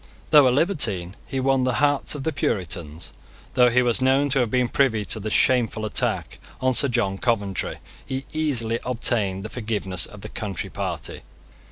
Though a libertine, he won the hearts of the Puritans. Though he was known to have been privy to the shameful attack on Sir John Coventry, he easily obtained the forgiveness of the Country Party.